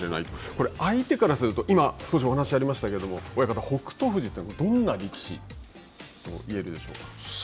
これ、相手からするといま少しお話しがありましたけれども親方、北勝富士というのはどんな力士といえるでしょう。